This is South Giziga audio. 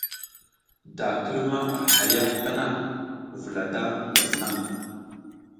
Da ki luma a hay a tana, vula da ngwas naƞ.